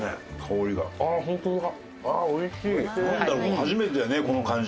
初めてだねこの感じ。